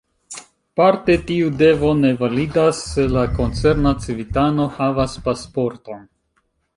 Parte tiu devo ne validas, se la koncerna civitano havas pasporton.